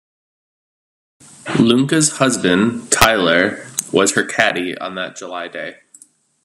Lunke's husband, Tylar, was her caddie on that July day.